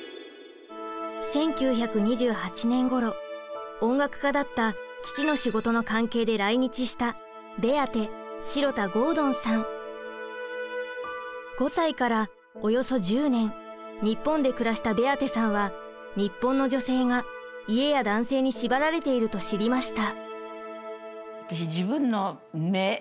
１９２８年ごろ音楽家だった父の仕事の関係で来日した５歳からおよそ１０年日本で暮らしたベアテさんは日本の女性が家や男性に縛られていると知りました。